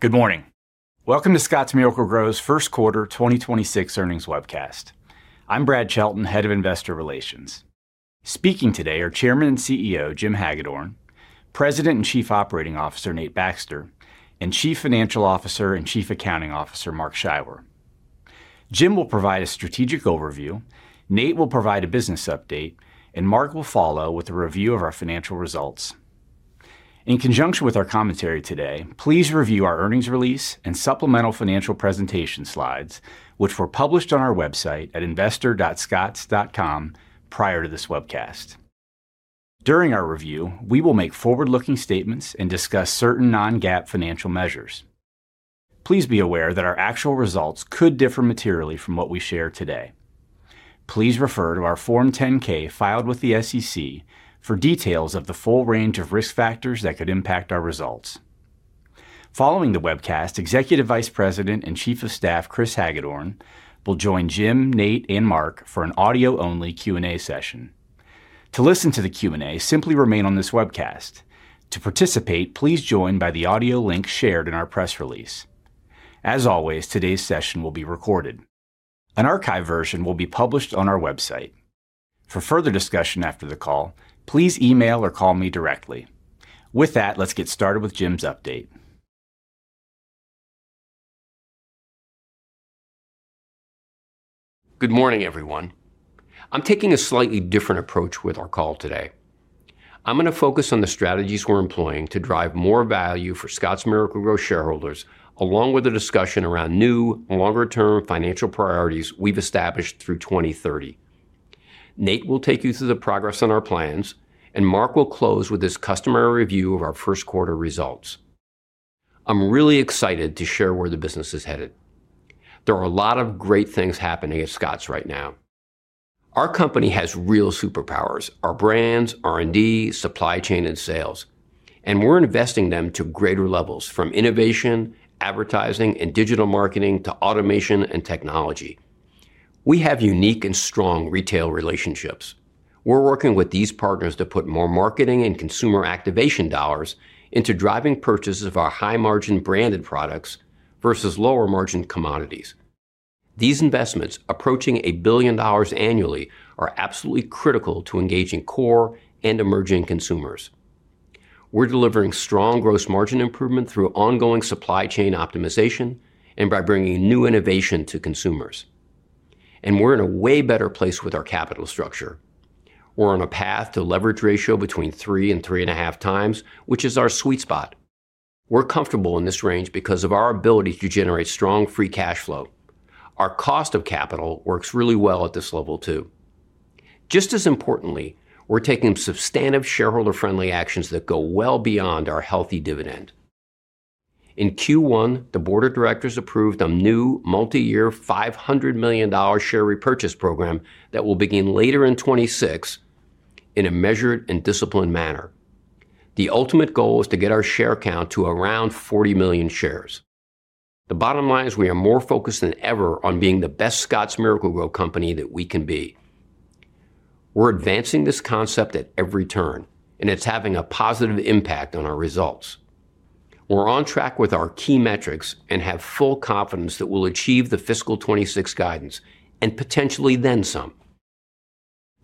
Good morning. Welcome to Scotts Miracle-Gro's first quarter 2026 earnings webcast. I'm Brad Chelton, Head of Investor Relations. Speaking today are Chairman and CEO, Jim Hagedorn, President and Chief Operating Officer, Nate Baxter, and Chief Financial Officer and Chief Accounting Officer, Mark Scheiwer. Jim will provide a strategic overview, Nate will provide a business update, and Mark will follow with a review of our financial results. In conjunction with our commentary today, please review our earnings release and supplemental financial presentation slides, which were published on our website at investor.scotts.com prior to this webcast. During our review, we will make forward-looking statements and discuss certain non-GAAP financial measures. Please be aware that our actual results could differ materially from what we share today. Please refer to our Form 10-K filed with the SEC for details of the full range of risk factors that could impact our results. Following the webcast, Executive Vice President and Chief of Staff, Chris Hagedorn, will join Jim, Nate, and Mark for an audio-only Q&A session. To listen to the Q&A, simply remain on this webcast. To participate, please join by the audio link shared in our press release. As always, today's session will be recorded. An archive version will be published on our website. For further discussion after the call, please email or call me directly. With that, let's get started with Jim's update. Good morning, everyone. I'm taking a slightly different approach with our call today. I'm gonna focus on the strategies we're employing to drive more value for Scotts Miracle-Gro shareholders, along with a discussion around new, longer-term financial priorities we've established through 2030. Nate will take you through the progress on our plans, and Mark will close with his customary review of our first quarter results. I'm really excited to share where the business is headed. There are a lot of great things happening at Scotts right now. Our company has real superpowers, our brands, R&D, supply chain, and sales, and we're investing them to greater levels, from innovation, advertising, and digital marketing, to automation and technology. We have unique and strong retail relationships. We're working with these partners to put more marketing and consumer activation dollars into driving purchases of our high-margin branded products versus lower-margin commodities. These investments, approaching $1 billion annually, are absolutely critical to engaging core and emerging consumers. We're delivering strong gross margin improvement through ongoing supply chain optimization and by bringing new innovation to consumers. And we're in a way better place with our capital structure. We're on a path to leverage ratio between 3-3.5 times, which is our sweet spot. We're comfortable in this range because of our ability to generate strong free cash flow. Our cost of capital works really well at this level, too. Just as importantly, we're taking substantive shareholder-friendly actions that go well beyond our healthy dividend. In Q1, the board of directors approved a new multi-year, $500 million share repurchase program that will begin later in 2026 in a measured and disciplined manner. The ultimate goal is to get our share count to around 40 million shares. The bottom line is we are more focused than ever on being the best Scotts Miracle-Gro company that we can be. We're advancing this concept at every turn, and it's having a positive impact on our results. We're on track with our key metrics and have full confidence that we'll achieve the fiscal 2026 guidance, and potentially then some.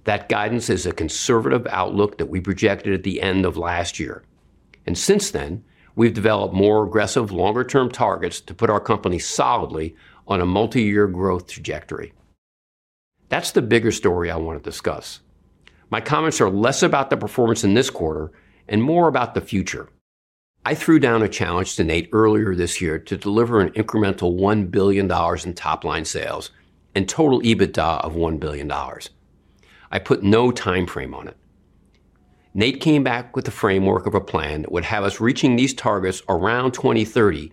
That guidance is a conservative outlook that we projected at the end of last year, and since then, we've developed more aggressive, longer-term targets to put our company solidly on a multi-year growth trajectory. That's the bigger story I want to discuss. My comments are less about the performance in this quarter and more about the future. I threw down a challenge to Nate earlier this year to deliver an incremental $1 billion in top-line sales and total EBITDA of $1 billion. I put no timeframe on it. Nate came back with a framework of a plan that would have us reaching these targets around 2030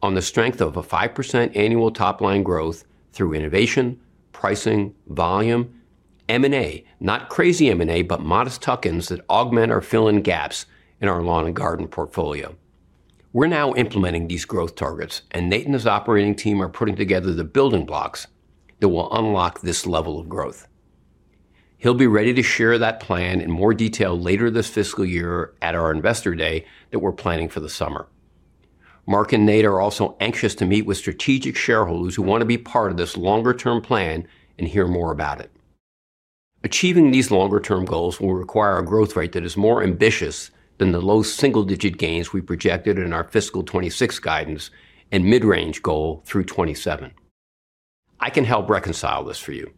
on the strength of a 5% annual top-line growth through innovation, pricing, volume, M&A, not crazy M&A, but modest tuck-ins that augment or fill in gaps in our lawn and garden portfolio. We're now implementing these growth targets, and Nate and his operating team are putting together the building blocks that will unlock this level of growth. He'll be ready to share that plan in more detail later this fiscal year at our Investor Day that we're planning for the summer. Mark and Nate are also anxious to meet with strategic shareholders who want to be part of this longer-term plan and hear more about it. Achieving these longer-term goals will require a growth rate that is more ambitious than the low single-digit gains we projected in our fiscal 2026 guidance and mid-range goal through 2027. I can help reconcile this for you.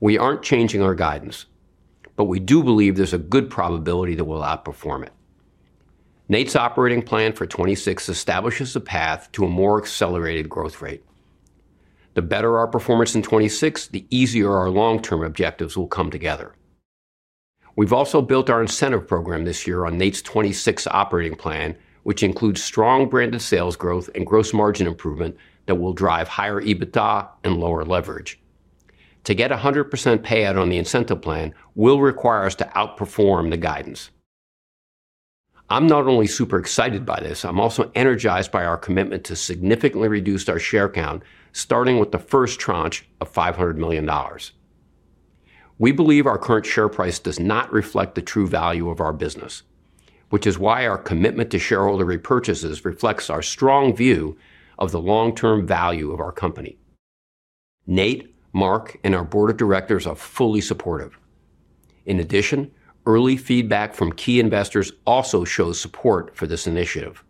We aren't changing our guidance, but we do believe there's a good probability that we'll outperform it. Nate's operating plan for 2026 establishes a path to a more accelerated growth rate. The better our performance in 2026, the easier our long-term objectives will come together. We've also built our incentive program this year on Nate's 2026 operating plan, which includes strong branded sales growth and gross margin improvement that will drive higher EBITDA and lower leverage. To get a 100% payout on the incentive plan will require us to outperform the guidance. I'm not only super excited by this, I'm also energized by our commitment to significantly reduce our share count, starting with the first tranche of $500 million. We believe our current share price does not reflect the true value of our business, which is why our commitment to shareholder repurchases reflects our strong view of the long-term value of our company. Nate, Mark, and our board of directors are fully supportive. In addition, early feedback from key investors also shows support for this initiative.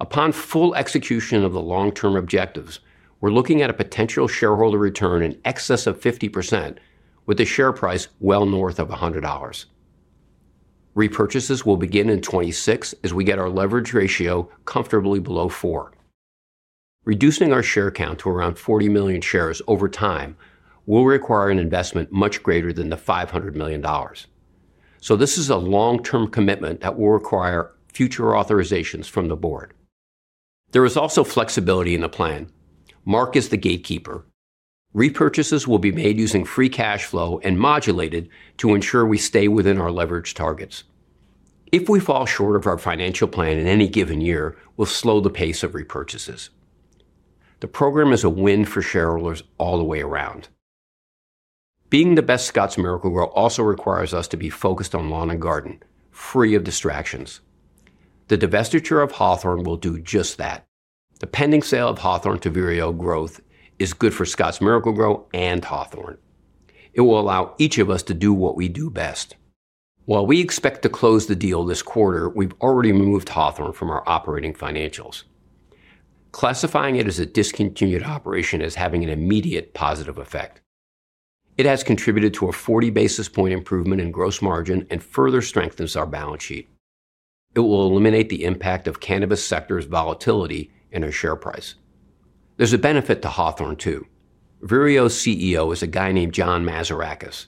Upon full execution of the long-term objectives, we're looking at a potential shareholder return in excess of 50%, with a share price well north of $100. Repurchases will begin in 2026 as we get our leverage ratio comfortably below four. Reducing our share count to around 40 million shares over time will require an investment much greater than the $500 million. So this is a long-term commitment that will require future authorizations from the board. There is also flexibility in the plan. Mark is the gatekeeper. Repurchases will be made using free cash flow and modulated to ensure we stay within our leverage targets. If we fall short of our financial plan in any given year, we'll slow the pace of repurchases. The program is a win for shareholders all the way around. Being the best Scotts Miracle-Gro also requires us to be focused on lawn and garden, free of distractions. The divestiture of Hawthorne will do just that. The pending sale of Hawthorne to Vireo Growth is good for Scotts Miracle-Gro and Hawthorne. It will allow each of us to do what we do best. While we expect to close the deal this quarter, we've already moved Hawthorne from our operating financials. Classifying it as a discontinued operation is having an immediate positive effect. It has contributed to a 40 basis point improvement in gross margin and further strengthens our balance sheet. It will eliminate the impact of cannabis sector's volatility in our share price. There's a benefit to Hawthorne, too. Vireo's CEO is a guy named John Mazarakis,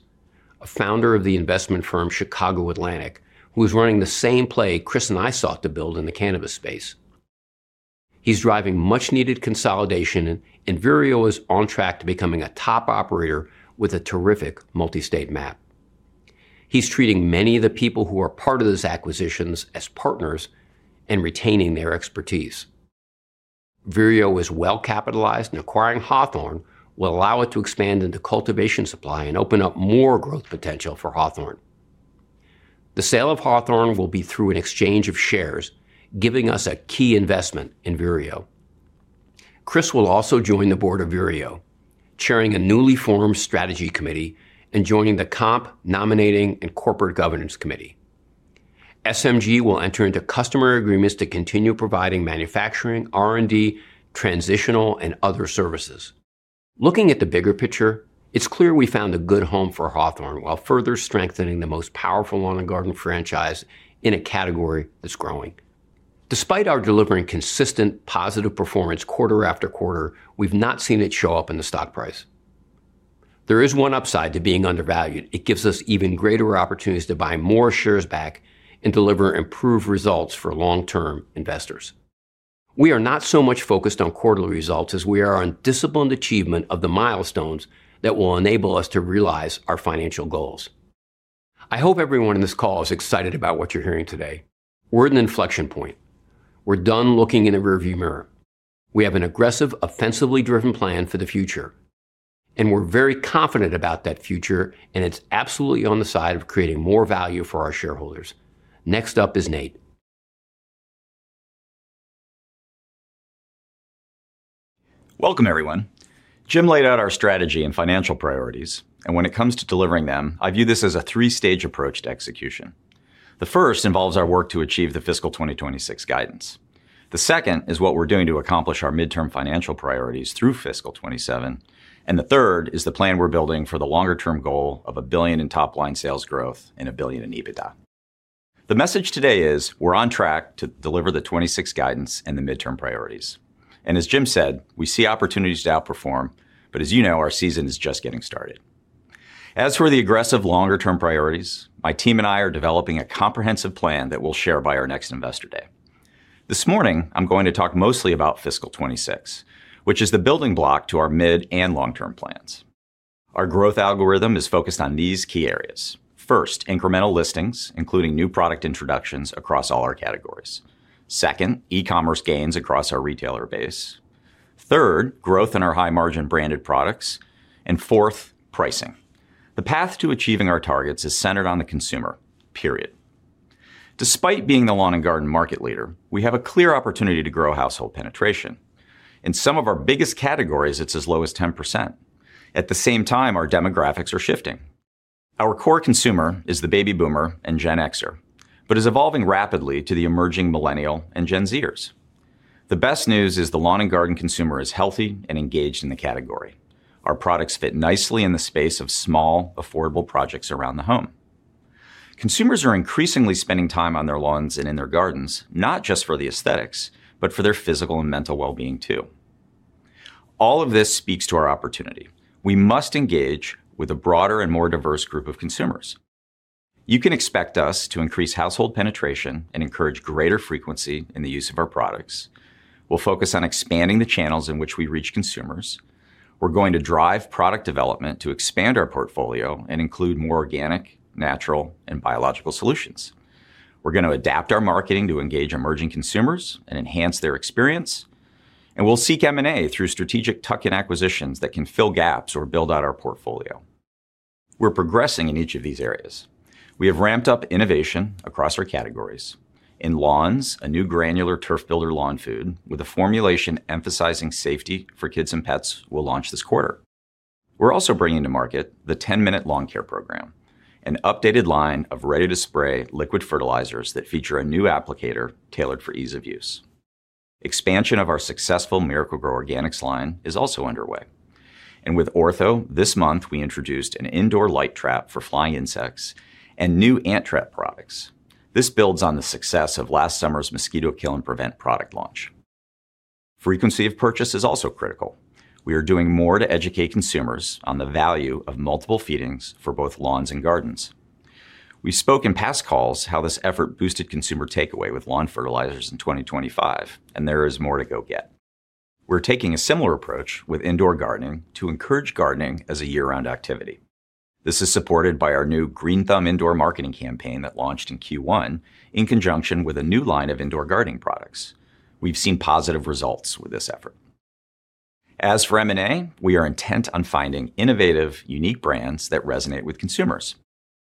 a founder of the investment firm Chicago Atlantic, who is running the same play Chris and I sought to build in the cannabis space. He's driving much needed consolidation, and Vireo is on track to becoming a top operator with a terrific multi-state map. He's treating many of the people who are part of this acquisitions as partners and retaining their expertise. Vireo is well capitalized, and acquiring Hawthorne will allow it to expand into cultivation supply and open up more growth potential for Hawthorne. The sale of Hawthorne will be through an exchange of shares, giving us a key investment in Vireo. Chris will also join the board of Vireo, chairing a newly formed strategy committee and joining the comp, nominating, and corporate governance committee. SMG will enter into customer agreements to continue providing manufacturing, R&D, transitional, and other services. Looking at the bigger picture, it's clear we found a good home for Hawthorne, while further strengthening the most powerful lawn and garden franchise in a category that's growing. Despite our delivering consistent positive performance quarter after quarter, we've not seen it show up in the stock price. There is one upside to being undervalued. It gives us even greater opportunities to buy more shares back and deliver improved results for long-term investors. We are not so much focused on quarterly results as we are on disciplined achievement of the milestones that will enable us to realize our financial goals. I hope everyone on this call is excited about what you're hearing today. We're at an inflection point. We're done looking in a rearview mirror. We have an aggressive, offensively driven plan for the future, and we're very confident about that future, and it's absolutely on the side of creating more value for our shareholders. Next up is Nate. Welcome, everyone. Jim laid out our strategy and financial priorities, and when it comes to delivering them, I view this as a three-stage approach to execution. The first involves our work to achieve the fiscal 2026 guidance. The second is what we're doing to accomplish our midterm financial priorities through fiscal 2027, and the third is the plan we're building for the longer term goal of $1 billion in top-line sales growth and $1 billion in EBITDA. The message today is we're on track to deliver the 2026 guidance and the midterm priorities. As Jim said, we see opportunities to outperform, but as you know, our season is just getting started. As for the aggressive, longer-term priorities, my team and I are developing a comprehensive plan that we'll share by our next Investor Day. This morning, I'm going to talk mostly about fiscal 2026, which is the building block to our mid and long-term plans. Our growth algorithm is focused on these key areas. First, incremental listings, including new product introductions across all our categories. Second, e-commerce gains across our retailer base. Third, growth in our high-margin branded products. And fourth, pricing. The path to achieving our targets is centered on the consumer, period. Despite being the lawn and garden market leader, we have a clear opportunity to grow household penetration. In some of our biggest categories, it's as low as 10%. At the same time, our demographics are shifting. Our core consumer is the baby boomer and Gen Xer, but is evolving rapidly to the emerging Millennial and Gen Z-ers. The best news is the lawn and garden consumer is healthy and engaged in the category. Our products fit nicely in the space of small, affordable projects around the home. Consumers are increasingly spending time on their lawns and in their gardens, not just for the aesthetics, but for their physical and mental well-being, too. All of this speaks to our opportunity. We must engage with a broader and more diverse group of consumers. You can expect us to increase household penetration and encourage greater frequency in the use of our products. We'll focus on expanding the channels in which we reach consumers. We're going to drive product development to expand our portfolio and include more organic, natural, and biological solutions. We're gonna adapt our marketing to engage emerging consumers and enhance their experience... and we'll seek M&A through strategic tuck-in acquisitions that can fill gaps or build out our portfolio. We're progressing in each of these areas. We have ramped up innovation across our categories. In lawns, a new granular Turf Builder lawn food, with a formulation emphasizing safety for kids and pets, will launch this quarter. We're also bringing to market the Ten Minute Lawn Care program, an updated line of ready-to-spray liquid fertilizers that feature a new applicator tailored for ease of use. Expansion of our successful Miracle-Gro Organics line is also underway, and with Ortho this month, we introduced an indoor light trap for flying insects and new ant trap products. This builds on the success of last summer's Mosquito Kill and Prevent product launch. Frequency of purchase is also critical. We are doing more to educate consumers on the value of multiple feedings for both lawns and gardens. We've spoke in past calls how this effort boosted consumer takeaway with lawn fertilizers in 2025, and there is more to go get. We're taking a similar approach with indoor gardening to encourage gardening as a year-round activity. This is supported by our new Green Thumb indoor marketing campaign that launched in Q1, in conjunction with a new line of indoor gardening products. We've seen positive results with this effort. As for M&A, we are intent on finding innovative, unique brands that resonate with consumers,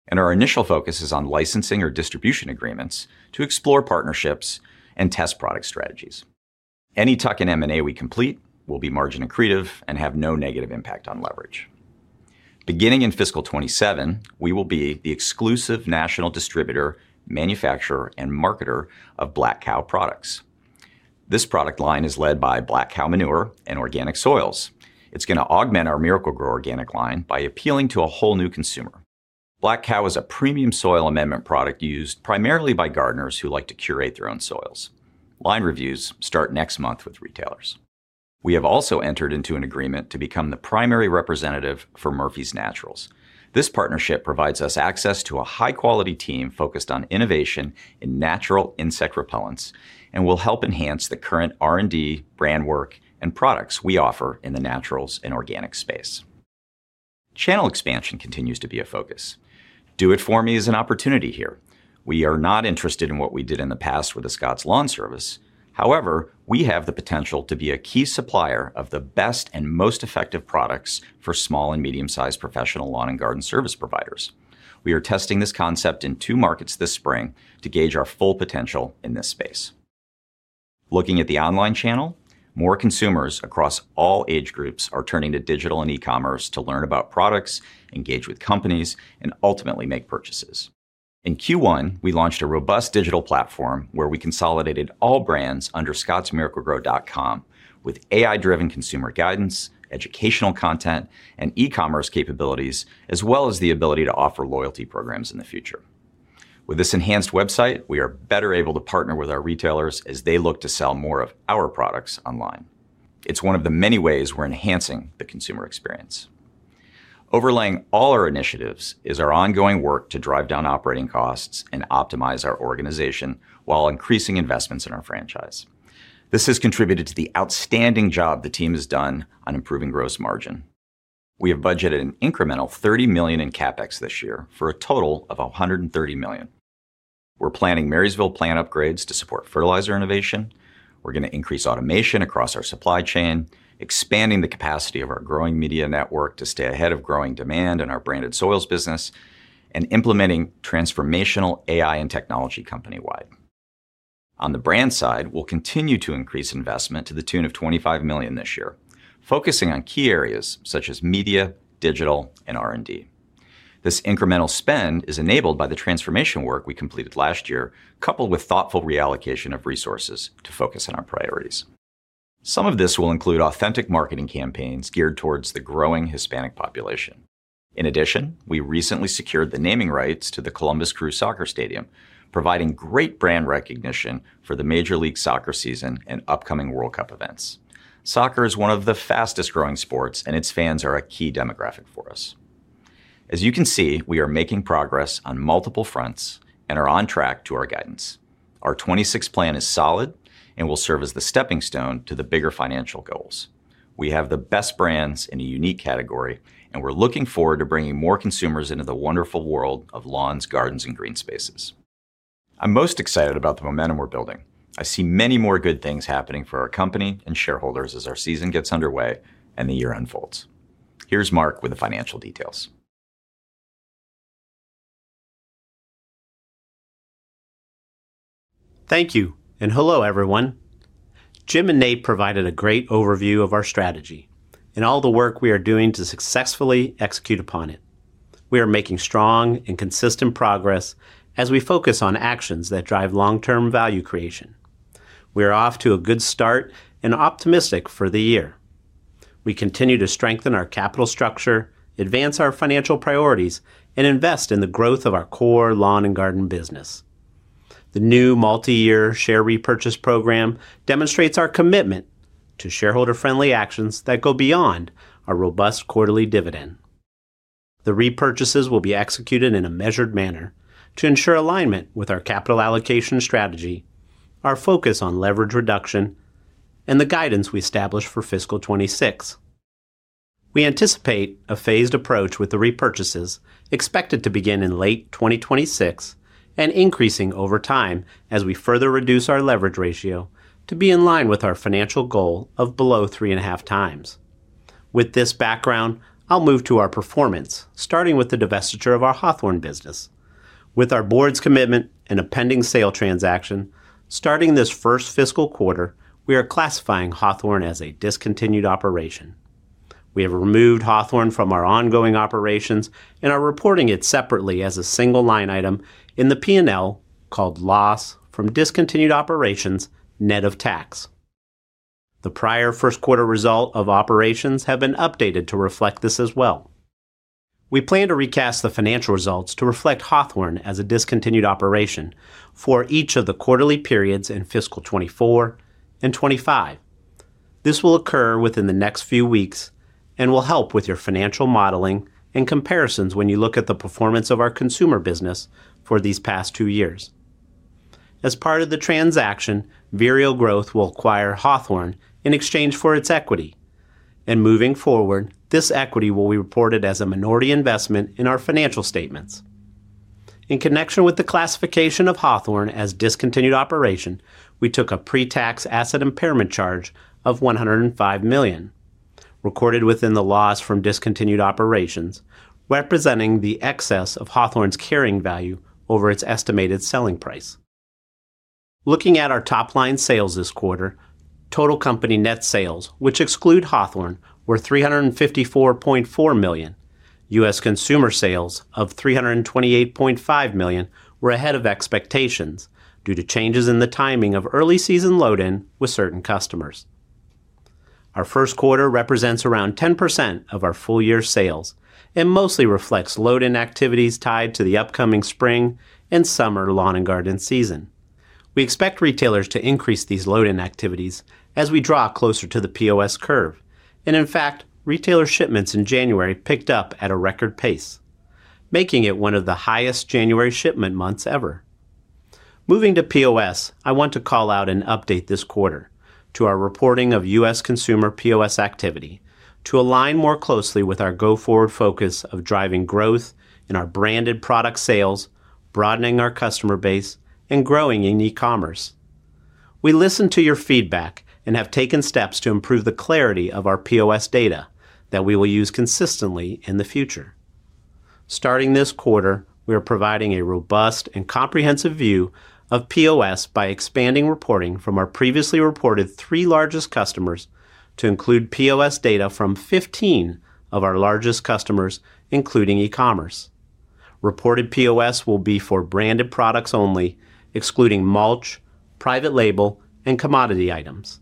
and our initial focus is on licensing or distribution agreements to explore partnerships and test product strategies. Any tuck-in M&A we complete will be margin accretive and have no negative impact on leverage. Beginning in fiscal 2027, we will be the exclusive national distributor, manufacturer, and marketer of Black Kow products. This product line is led by Black Kow manure and organic soils. It's gonna augment our Miracle-Gro organic line by appealing to a whole new consumer. Black Kow is a premium soil amendment product used primarily by gardeners who like to curate their own soils. Line reviews start next month with retailers. We have also entered into an agreement to become the primary representative for Murphy's Naturals. This partnership provides us access to a high-quality team focused on innovation in natural insect repellents and will help enhance the current R&D, brand work, and products we offer in the naturals and organic space. Channel expansion continues to be a focus. Do-It-For-Me is an opportunity here. We are not interested in what we did in the past with the Scotts Lawn Service. However, we have the potential to be a key supplier of the best and most effective products for small and medium-sized professional lawn and garden service providers. We are testing this concept in two markets this spring to gauge our full potential in this space. Looking at the online channel, more consumers across all age groups are turning to digital and e-commerce to learn about products, engage with companies, and ultimately make purchases. In Q1, we launched a robust digital platform where we consolidated all brands under scottsmiraclegro.com, with AI-driven consumer guidance, educational content, and e-commerce capabilities, as well as the ability to offer loyalty programs in the future. With this enhanced website, we are better able to partner with our retailers as they look to sell more of our products online. It's one of the many ways we're enhancing the consumer experience. Overlaying all our initiatives is our ongoing work to drive down operating costs and optimize our organization while increasing investments in our franchise. This has contributed to the outstanding job the team has done on improving gross margin. We have budgeted an incremental $30 million in CapEx this year, for a total of $130 million. We're planning Marysville plant upgrades to support fertilizer innovation. We're gonna increase automation across our supply chain, expanding the capacity of our growing media network to stay ahead of growing demand in our branded soils business, and implementing transformational AI and technology company-wide. On the brand side, we'll continue to increase investment to the tune of $25 million this year, focusing on key areas such as media, digital, and R&D. This incremental spend is enabled by the transformation work we completed last year, coupled with thoughtful reallocation of resources to focus on our priorities. Some of this will include authentic marketing campaigns geared towards the growing Hispanic population. In addition, we recently secured the naming rights to the Columbus Crew Soccer Stadium, providing great brand recognition for the Major League Soccer season and upcoming World Cup events. Soccer is one of the fastest-growing sports, and its fans are a key demographic for us. As you can see, we are making progress on multiple fronts and are on track to our guidance. Our 26 plan is solid and will serve as the stepping stone to the bigger financial goals. We have the best brands in a unique category, and we're looking forward to bringing more consumers into the wonderful world of lawns, gardens, and green spaces. I'm most excited about the momentum we're building. I see many more good things happening for our company and shareholders as our season gets underway and the year unfolds. Here's Mark with the financial details. Thank you, and hello, everyone. Jim and Nate provided a great overview of our strategy and all the work we are doing to successfully execute upon it. We are making strong and consistent progress as we focus on actions that drive long-term value creation. We are off to a good start and optimistic for the year. We continue to strengthen our capital structure, advance our financial priorities, and invest in the growth of our core lawn and garden business. The new multi-year share repurchase program demonstrates our commitment to shareholder-friendly actions that go beyond our robust quarterly dividend. The repurchases will be executed in a measured manner to ensure alignment with our capital allocation strategy, our focus on leverage reduction, and the guidance we established for fiscal 2026.... We anticipate a phased approach with the repurchases expected to begin in late 2026 and increasing over time as we further reduce our leverage ratio to be in line with our financial goal of below 3.5 times. With this background, I'll move to our performance, starting with the divestiture of our Hawthorne business. With our board's commitment and a pending sale transaction, starting this first fiscal quarter, we are classifying Hawthorne as a discontinued operation. We have removed Hawthorne from our ongoing operations and are reporting it separately as a single line item in the P&L, called Loss from Discontinued Operations Net of Tax. The prior first quarter result of operations have been updated to reflect this as well. We plan to recast the financial results to reflect Hawthorne as a discontinued operation for each of the quarterly periods in fiscal 2024 and 2025. This will occur within the next few weeks and will help with your financial modeling and comparisons when you look at the performance of our consumer business for these past two years. As part of the transaction, Vireo Growth will acquire Hawthorne in exchange for its equity, and moving forward, this equity will be reported as a minority investment in our financial statements. In connection with the classification of Hawthorne as discontinued operation, we took a pre-tax asset impairment charge of $105 million, recorded within the loss from discontinued operations, representing the excess of Hawthorne's carrying value over its estimated selling price. Looking at our top line sales this quarter, total company net sales, which exclude Hawthorne, were $354.4 million. U.S. consumer sales of $328.5 million were ahead of expectations due to changes in the timing of early season load-in with certain customers. Our first quarter represents around 10% of our full-year sales and mostly reflects load-in activities tied to the upcoming spring and summer lawn and garden season. We expect retailers to increase these load-in activities as we draw closer to the POS curve, and in fact, retailer shipments in January picked up at a record pace, making it one of the highest January shipment months ever. Moving to POS, I want to call out and update this quarter to our reporting of U.S. consumer POS activity to align more closely with our go-forward focus of driving growth in our branded product sales, broadening our customer base, and growing in e-commerce. We listened to your feedback and have taken steps to improve the clarity of our POS data that we will use consistently in the future. Starting this quarter, we are providing a robust and comprehensive view of POS by expanding reporting from our previously reported three largest customers to include POS data from 15 of our largest customers, including e-commerce. Reported POS will be for branded products only, excluding mulch, private label, and commodity items.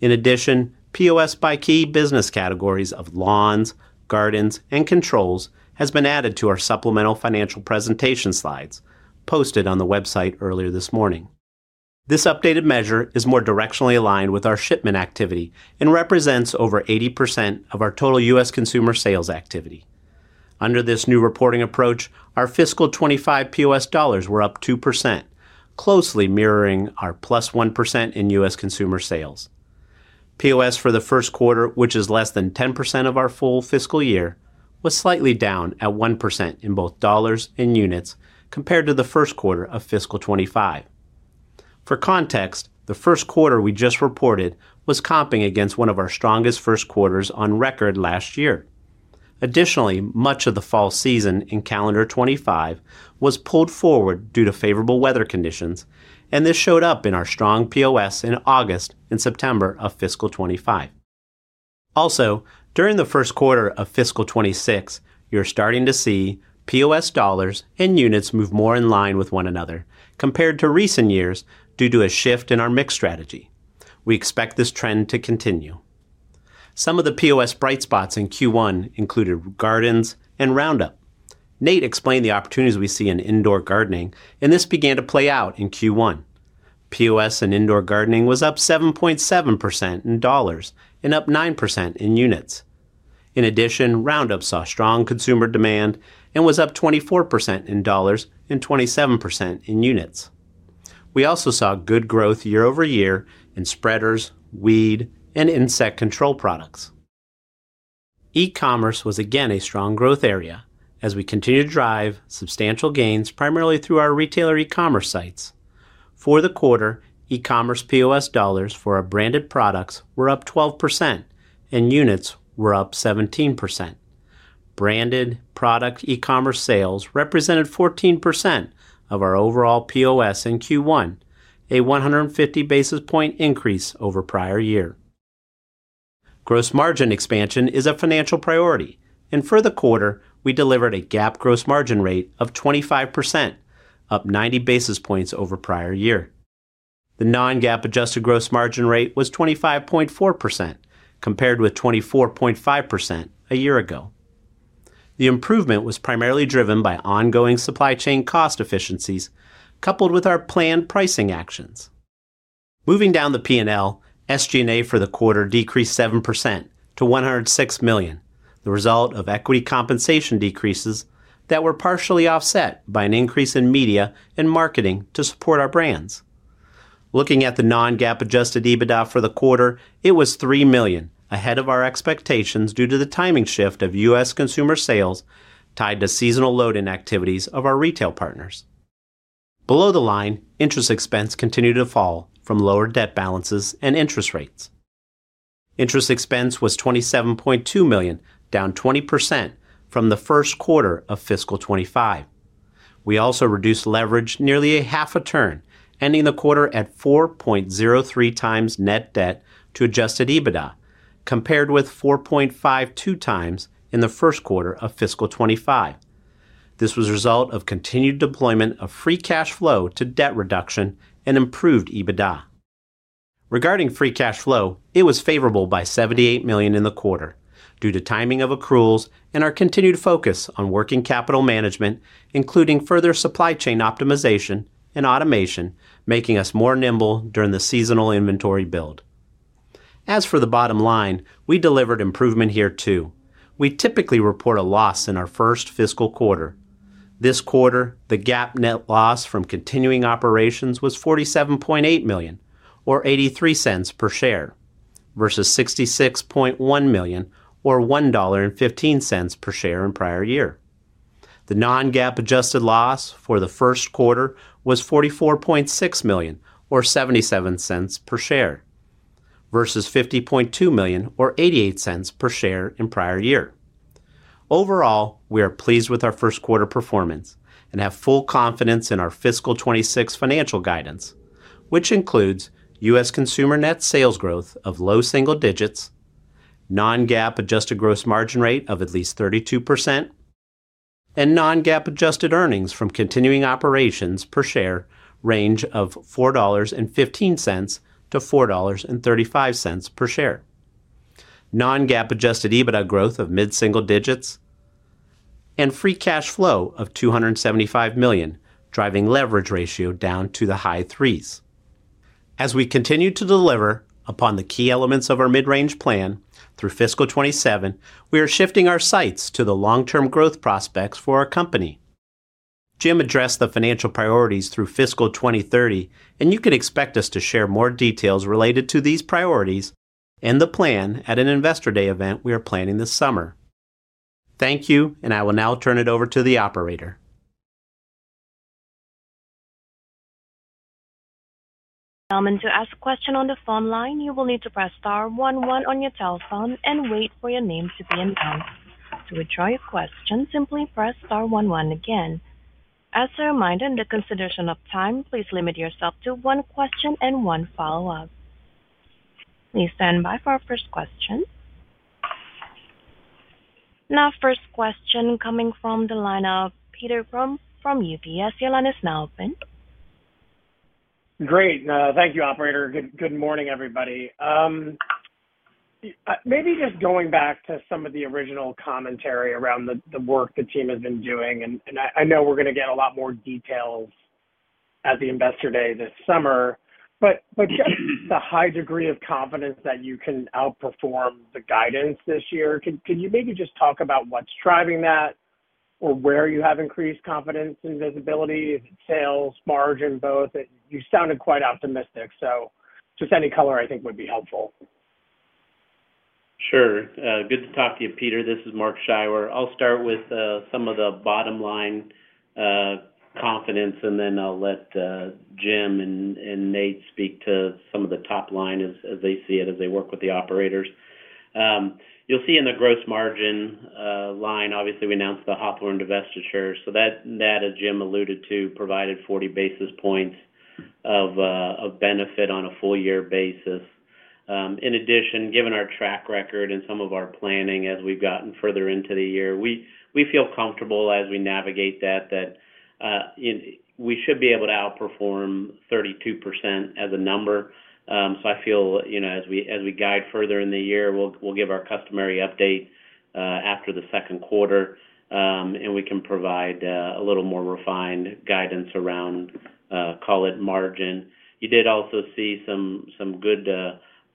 In addition, POS by key business categories of lawns, gardens, and controls has been added to our supplemental financial presentation slides posted on the website earlier this morning. This updated measure is more directionally aligned with our shipment activity and represents over 80% of our total U.S. consumer sales activity. Under this new reporting approach, our fiscal 2025 POS dollars were up 2%, closely mirroring our +1% in U.S. consumer sales. POS for the first quarter, which is less than 10% of our full fiscal year, was slightly down at 1% in both dollars and units compared to the first quarter of fiscal 2025. For context, the first quarter we just reported was comping against one of our strongest first quarters on record last year. Additionally, much of the fall season in calendar 2025 was pulled forward due to favorable weather conditions, and this showed up in our strong POS in August and September of fiscal 2025. Also, during the first quarter of fiscal 2026, you're starting to see POS dollars and units move more in line with one another compared to recent years due to a shift in our mix strategy. We expect this trend to continue. Some of the POS bright spots in Q1 included gardens and Roundup. Nate explained the opportunities we see in indoor gardening, and this began to play out in Q1. POS in indoor gardening was up 7.7% in dollars and up 9% in units. In addition, Roundup saw strong consumer demand and was up 24% in dollars and 27% in units. We also saw good growth year-over-year in spreaders, weed, and insect control products. E-commerce was again a strong growth area as we continue to drive substantial gains, primarily through our retailer e-commerce sites. For the quarter, e-commerce POS dollars for our branded products were up 12% and units were up 17%. Branded product e-commerce sales represented 14% of our overall POS in Q1, a 150 basis point increase over prior year. Gross margin expansion is a financial priority, and for the quarter, we delivered a GAAP gross margin rate of 25%, up 90 basis points over prior year. The non-GAAP adjusted gross margin rate was 25.4%, compared with 24.5% a year ago. The improvement was primarily driven by ongoing supply chain cost efficiencies, coupled with our planned pricing actions. Moving down the P&L, SG&A for the quarter decreased 7% to $106 million, the result of equity compensation decreases that were partially offset by an increase in media and marketing to support our brands.... Looking at the non-GAAP adjusted EBITDA for the quarter, it was $3 million, ahead of our expectations due to the timing shift of U.S. consumer sales tied to seasonal load-in activities of our retail partners. Below the line, interest expense continued to fall from lower debt balances and interest rates. Interest expense was $27.2 million, down 20% from the first quarter of fiscal 2025. We also reduced leverage nearly a half a turn, ending the quarter at 4.03 times net debt to adjusted EBITDA, compared with 4.52 times in the first quarter of fiscal 2025. This was a result of continued deployment of free cash flow to debt reduction and improved EBITDA. Regarding free cash flow, it was favorable by $78 million in the quarter due to timing of accruals and our continued focus on working capital management, including further supply chain optimization and automation, making us more nimble during the seasonal inventory build. As for the bottom line, we delivered improvement here, too. We typically report a loss in our first fiscal quarter. This quarter, the GAAP net loss from continuing operations was $47.8 million, or $0.83 per share, versus $66.1 million, or $1.15 per share in prior year. The non-GAAP adjusted loss for the first quarter was $44.6 million, or $0.77 per share, versus $50.2 million, or $0.88 per share in prior year. Overall, we are pleased with our first quarter performance and have full confidence in our fiscal 2026 financial guidance, which includes U.S.. consumer net sales growth of low single digits, non-GAAP adjusted gross margin rate of at least 32%, and non-GAAP adjusted earnings from continuing operations per share range of $4.15-$4.35 per share. Non-GAAP adjusted EBITDA growth of mid-single digits and free cash flow of $275 million, driving leverage ratio down to the high threes. As we continue to deliver upon the key elements of our mid-range plan through fiscal 2027, we are shifting our sights to the long-term growth prospects for our company. Jim addressed the financial priorities through fiscal 2030, and you can expect us to share more details related to these priorities and the plan at an Investor Day event we are planning this summer. Thank you, and I will now turn it over to the operator. To ask a question on the phone line, you will need to press star one one on your telephone and wait for your name to be announced. To withdraw your question, simply press star one one again. As a reminder, in the consideration of time, please limit yourself to one question and one follow-up. Please stand by for our first question. Now, first question coming from the line of Peter Grom from UBS. Your line is now open. Great. Thank you, operator. Good, good morning, everybody. Maybe just going back to some of the original commentary around the work the team has been doing, and I know we're gonna get a lot more details at the Investor Day this summer, but the high degree of confidence that you can outperform the guidance this year, can you maybe just talk about what's driving that or where you have increased confidence and visibility, if it's sales, margin, both? You sounded quite optimistic, so just any color I think would be helpful. Sure. Good to talk to you, Peter. This is Mark Scheiwer. I'll start with some of the bottom line confidence, and then I'll let Jim and Nate speak to some of the top line as they see it, as they work with the operators. You'll see in the gross margin line, obviously, we announced the Hawthorne divestiture, so that, as Jim alluded to, provided 40 basis points of benefit on a full year basis. In addition, given our track record and some of our planning as we've gotten further into the year, we feel comfortable as we navigate that, it, we should be able to outperform 32% as a number. So I feel, you know, as we guide further in the year, we'll give our customary update after the second quarter, and we can provide a little more refined guidance around, call it margin. You did also see some good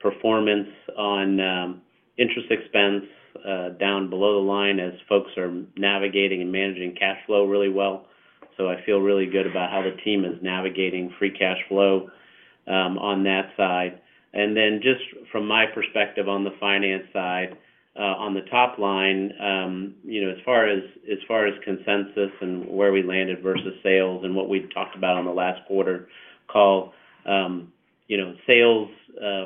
performance on interest expense, down below the line as folks are navigating and managing cash flow really well. So I feel really good about how the team is navigating free cash flow, on that side. And then just from my perspective on the finance side, on the top line, you know, as far as, as far as consensus and where we landed versus sales and what we've talked about on the last quarter call, you know, sales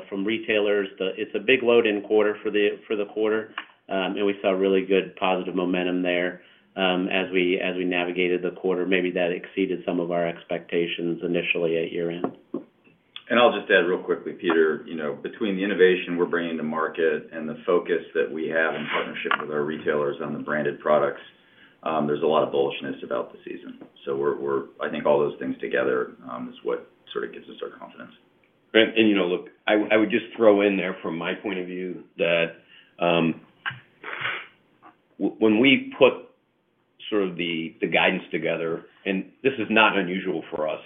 from retailers, the—it's a big load in quarter for the, for the quarter, and we saw really good positive momentum there, as we, as we navigated the quarter. Maybe that exceeded some of our expectations initially at year-end. I'll just add real quickly, Peter, you know, between the innovation we're bringing to market and the focus that we have in partnership with our retailers on the branded products, there's a lot of bullishness about the season. So we're—I think all those things together is what sort of gives us our confidence. And, you know, look, I would just throw in there from my point of view that, when we put sort of the guidance together, and this is not unusual for us,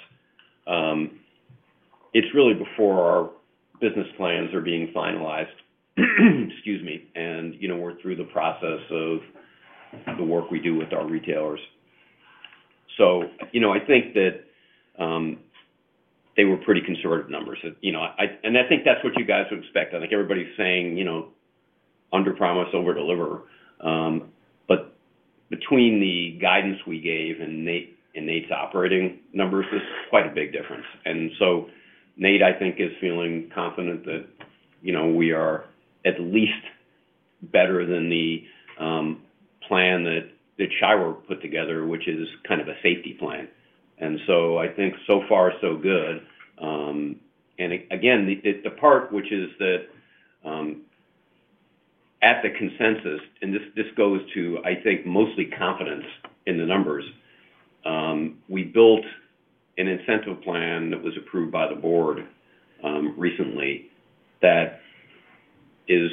it's really before our...... business plans are being finalized, excuse me, and, you know, we're through the process of the work we do with our retailers. So, you know, I think that, they were pretty conservative numbers. You know, and I think that's what you guys would expect. I think everybody's saying, you know, under promise, over deliver. But between the guidance we gave and Nate, and Nate's operating numbers, is quite a big difference. And so Nate, I think, is feeling confident that, you know, we are at least better than the, plan that, that Shire put together, which is kind of a safety plan. And so I think so far, so good. And again, the part which is that, at the consensus, and this goes to, I think, mostly confidence in the numbers. We built an incentive plan that was approved by the board, recently, that is,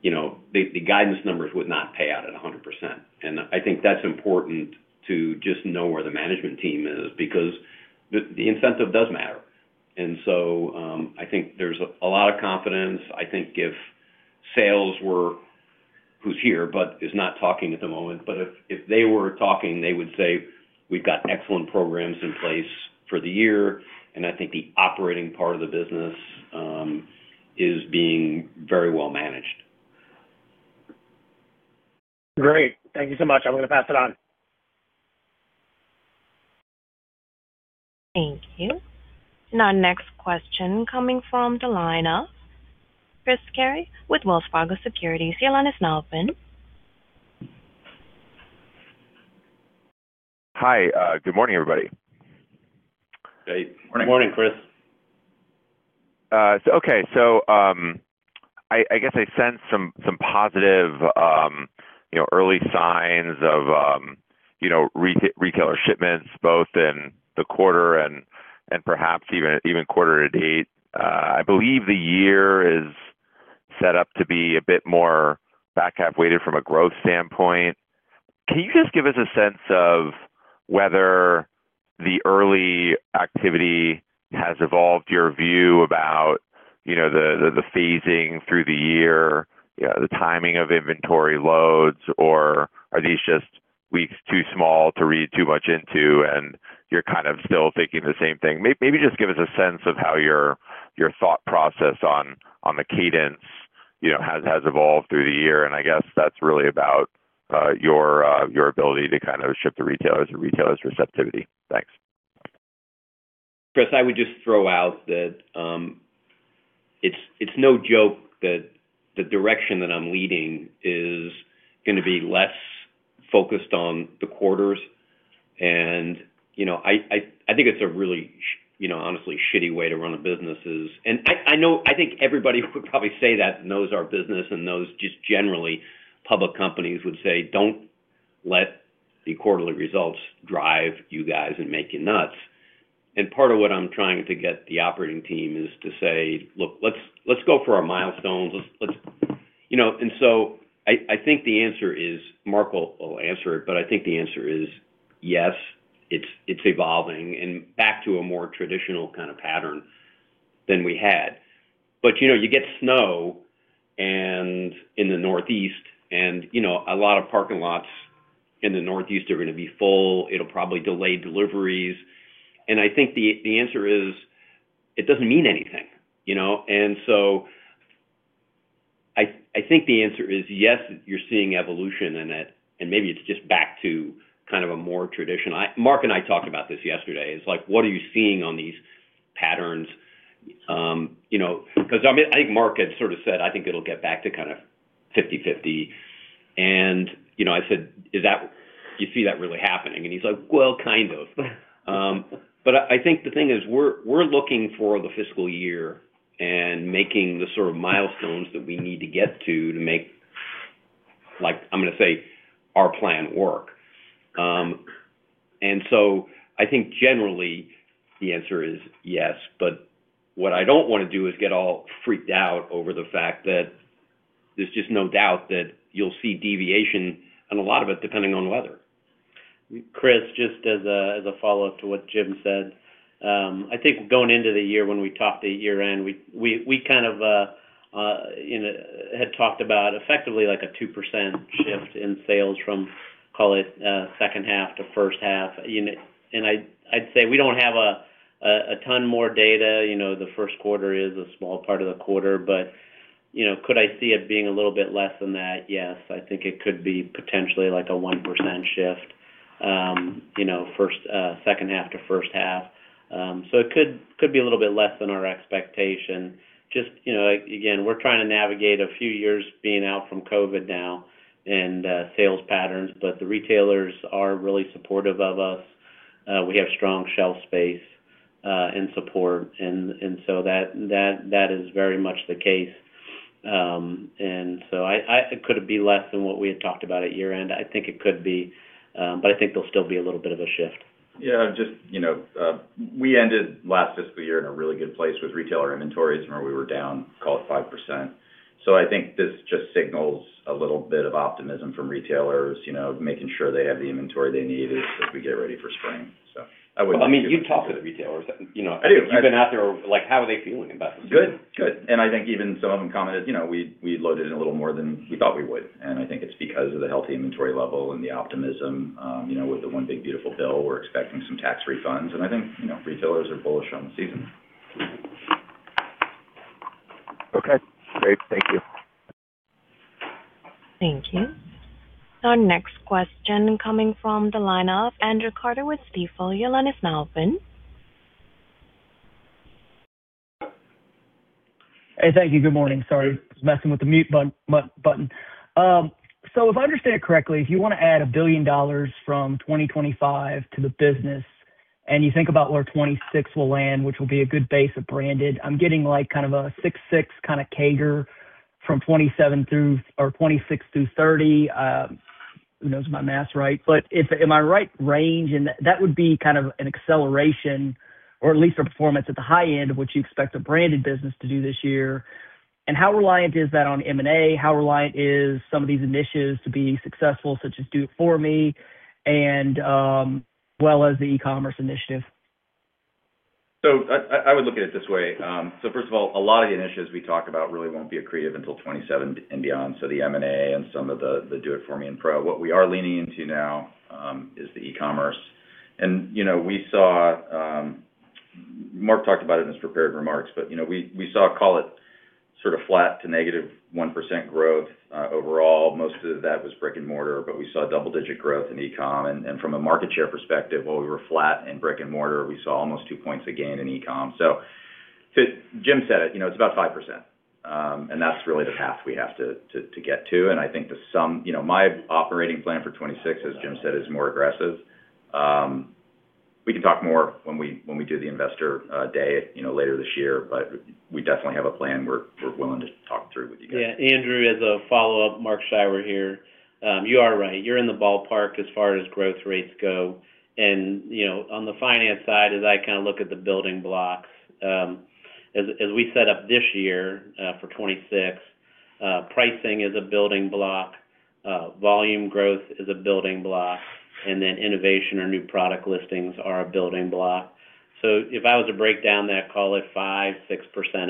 you know, the guidance numbers would not pay out at 100%. And I think that's important to just know where the management team is, because the incentive does matter. And so, I think there's a lot of confidence. I think if sales were, who's here, but is not talking at the moment, but if they were talking, they would say, "We've got excellent programs in place for the year," and I think the operating part of the business is being very well managed. Great. Thank you so much. I'm gonna pass it on. Thank you. Now, next question coming from the line of Chris Carey with Wells Fargo Securities. Your line is now open. Hi, good morning, everybody. Great. Morning. Morning, Chris. So, okay. So, I guess I sense some positive, you know, early signs of retailer shipments, both in the quarter and perhaps quarter to date. I believe the year is set up to be a bit more back half weighted from a growth standpoint. Can you just give us a sense of whether the early activity has evolved your view about the phasing through the year, the timing of inventory loads, or are these just weeks too small to read too much into, and you're kind of still thinking the same thing? Maybe just give us a sense of how your thought process on the cadence, you know, has evolved through the year, and I guess that's really about your ability to kind of ship to retailers or retailers' receptivity. Thanks. Chris, I would just throw out that it's no joke that the direction that I'm leading is gonna be less focused on the quarters. And, you know, I think it's a really, you know, honestly, shitty way to run a business. And I know, I think everybody would probably say that, knows our business and knows just generally, public companies would say, "Don't let the quarterly results drive you guys and make you nuts." And part of what I'm trying to get the operating team is to say, "Look, let's go for our milestones. Let's..." You know, and so I think the answer is, Mark will answer it, but I think the answer is, yes, it's evolving and back to a more traditional kind of pattern than we had. But, you know, you get snow and, in the Northeast and, you know, a lot of parking lots in the Northeast are gonna be full. It'll probably delay deliveries. And I think the answer is, it doesn't mean anything, you know? And so I think the answer is yes, you're seeing evolution in it, and maybe it's just back to kind of a more traditional—I—Mark and I talked about this yesterday. It's like, what are you seeing on these patterns? You know, because, I mean, I think Mark had sort of said, "I think it'll get back to kind of 50/50." And, you know, I said, "Is that-- do you see that really happening?" And he's like, "Well, kind of." But I think the thing is, we're looking for the fiscal year and making the sort of milestones that we need to get to, to make, like, I'm gonna say, our plan work. And so I think generally the answer is yes, but what I don't wanna do is get all freaked out over the fact that there's just no doubt that you'll see deviation and a lot of it, depending on weather. Chris, just as a follow-up to what Jim said. I think going into the year, when we talked at year-end, we kind of, you know, had talked about effectively like a 2% shift in sales from, call it, second half to first half. And I'd say we don't have a ton more data. You know, the first quarter is a small part of the quarter, but, you know, could I see it being a little bit less than that? Yes, I think it could be potentially like a 1% shift, you know, first, second half to first half. So it could be a little bit less than our expectation. Just, you know, again, we're trying to navigate a few years being out from COVID now and sales patterns, but the retailers are really supportive of us. We have strong shelf space and support, and so that is very much the case. And so could it be less than what we had talked about at year-end? I think it could be, but I think there'll still be a little bit of a shift. Yeah, just, you know, we ended last fiscal year in a really good place with retailer inventories, right?... we were down, call it, 5%. So I think this just signals a little bit of optimism from retailers, you know, making sure they have the inventory they need as we get ready for spring. So I would— I mean, you've talked to the retailers, you know— I do. You've been out there. Like, how are they feeling about the season? Good. Good. And I think even some of them commented, you know, we loaded in a little more than we thought we would, and I think it's because of the healthy inventory level and the optimism, you know, with the one big beautiful bill, we're expecting some tax refunds, and I think, you know, retailers are bullish on the season. Okay, great. Thank you. Thank you. Our next question coming from the line of Andrew Carter with Stifel. Your line is now open. Hey, thank you. Good morning. Sorry, I was messing with the mute button. So if I understand it correctly, if you wanna add $1 billion from 2025 to the business, and you think about where 2026 will land, which will be a good base of branded, I'm getting, like, kind of a 6-6 kinda CAGR from 2027 through or 2026 through 2030. Who knows my math, right? But if am I right range, and that would be kind of an acceleration, or at least a performance at the high end of what you expect a branded business to do this year. And how reliant is that on M&A? How reliant is some of these initiatives to being successful, such as do-it-for-me and well as the e-commerce initiative? I would look at it this way. So first of all, a lot of the initiatives we talk about really won't be accretive until 2027 and beyond. So the M&A and some of the Do-It-For-Me and Pro. What we are leaning into now is the e-commerce. And, you know, we saw... Mark talked about it in his prepared remarks, but, you know, we saw, call it, sort of flat to -1% growth overall. Most of that was brick-and-mortar, but we saw double-digit growth in e-com. And from a market share perspective, while we were flat in brick-and-mortar, we saw almost two points of gain in e-com. So to-- Jim said it, you know, it's about 5%, and that's really the path we have to get to. I think the sum... You know, my operating plan for 2026, as Jim said, is more aggressive. We can talk more when we, when we do the investor day, you know, later this year, but we definitely have a plan. We're, we're willing to talk through with you guys. Yeah, Andrew, as a follow-up, Mark Scheiwer here. You are right. You're in the ballpark as far as growth rates go. And, you know, on the finance side, as I kind of look at the building blocks, as we set up this year, for 2026, pricing is a building block, volume growth is a building block, and then innovation or new product listings are a building block. So if I was to break down that, call it 5-6%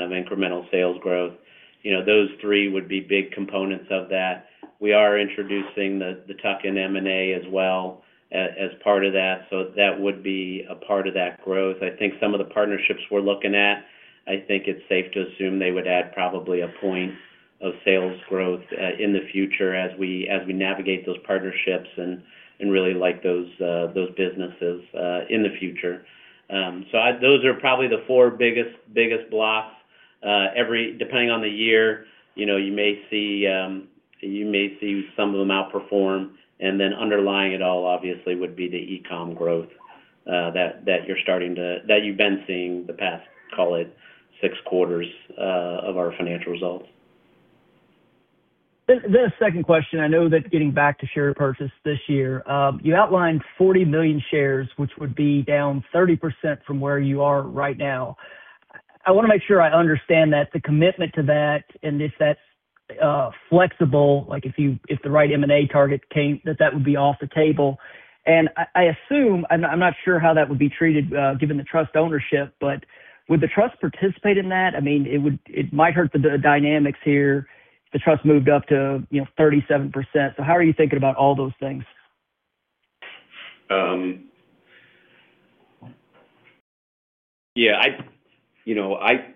of incremental sales growth, you know, those three would be big components of that. We are introducing the tuck in M&A as well, as part of that, so that would be a part of that growth. I think some of the partnerships we're looking at, I think it's safe to assume they would add probably a point of sales growth in the future as we navigate those partnerships and really like those businesses in the future. So those are probably the four biggest blocks. Depending on the year, you know, you may see some of them outperform, and then underlying it all, obviously, would be the e-com growth that you've been seeing the past, call it six quarters of our financial results. Then a second question, I know that getting back to share purchase this year, you outlined 40 million shares, which would be down 30% from where you are right now. I wanna make sure I understand that the commitment to that and if that's flexible, like if you-- if the right M&A target came, that that would be off the table. And I assume, I'm not sure how that would be treated, given the trust ownership, but would the trust participate in that? I mean, it would-- it might hurt the d- dynamics here if the trust moved up to, you know, 37%. So how are you thinking about all those things? Yeah, I, you know, I,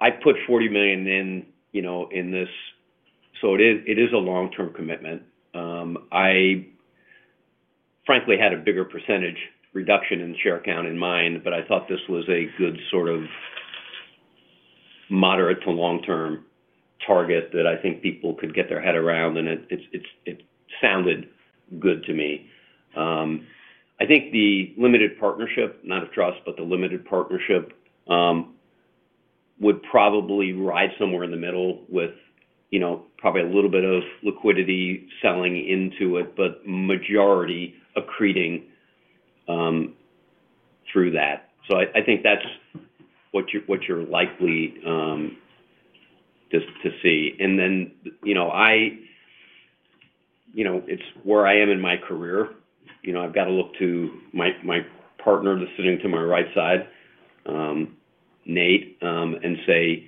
I put $40 million in, you know, in this, so it is, it is a long-term commitment. I frankly had a bigger percentage reduction in share count in mind, but I thought this was a good sort of moderate to long-term target that I think people could get their head around, and it, it's, it's - it sounded good to me. I think the limited partnership, not a trust, but the limited partnership, would probably ride somewhere in the middle with, you know, probably a little bit of liquidity selling into it, but majority accreting through that. So I, I think that's what you're, what you're likely to see. And then, you know, I... You know, it's where I am in my career. You know, I've got to look to my, my partner that's sitting to my right side, Nate, and say,